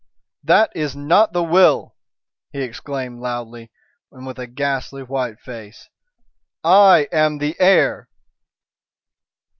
"That is not the will!" he exclaimed loudly, and with a ghastly white face. "I am the heir."